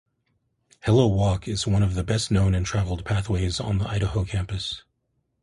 "Hello Walk" is one of the best-known and traveled pathways on the Idaho campus.